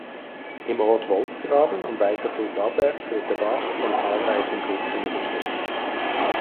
Im Ort Wolfsgraben und weiter flussabwärts wird der Bach von zahlreichen Brücken überquert.